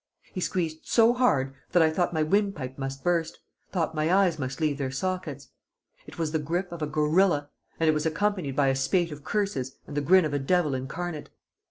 He squeezed so hard that I thought my windpipe must burst, thought my eyes must leave their sockets. It was the grip of a gorilla, and it was accompanied by a spate of curses and the grin of a devil incarnate.